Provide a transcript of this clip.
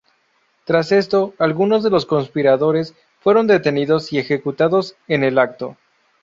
Tras esto, algunos de los conspiradores fueron detenidos y ejecutados en el acto.